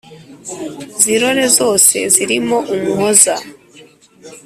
zirore zose zirimo umuhoza